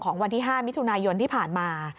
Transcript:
วันที่๕มิถุนายนที่ผ่านมา